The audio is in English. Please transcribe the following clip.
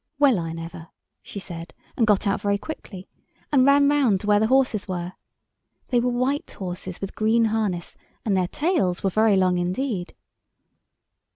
"Well, I never!" she said, and got out very quickly and ran round to where the horses were. They were white horses with green harness, and their tails were very long indeed.